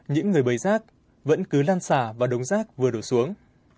những người bầy rác vẫn cứ lan xả và đống rác vừa đổ xuống